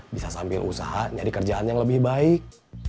bisa sambil usaha nyari kerjaan yang lebih baik